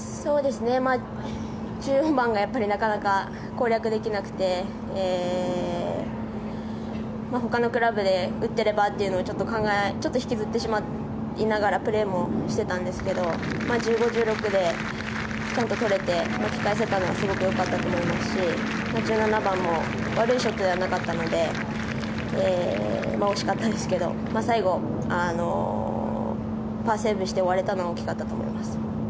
１４番がなかなか攻略できなくてほかのクラブで打っていればというのをちょっと引きずりながらプレーもしていたんですけど１５、１６でちゃんと取れて巻き返せたのはすごくよかったと思いますし１７番も悪いショットではなかったので惜しかったんですけど最後パーセーブして終われたのは大きかったと思います。